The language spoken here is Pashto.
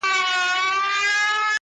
د بلبل په نوم هیچا نه وو بللی،